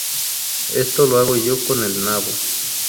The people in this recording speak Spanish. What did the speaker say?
Esto lo hago yo con el nabo